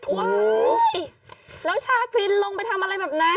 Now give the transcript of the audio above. โอ้ยเราชาคลินลงไปทำอะไรแบบนั้น